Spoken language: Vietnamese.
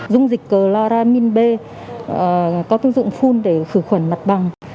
dung dịch cloramin b có thương dụng phun để khử khuẩn mặt bằng